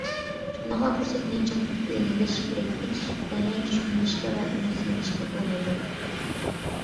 شۇنداقلا پۇرسەتنى چىڭ تۇتۇپ ئىلگىرىلەش كېرەككى، يەنە چۈشكۈنلىشىشكە ۋە ئۈمىدسىزلىنىشكە بولمايدۇ.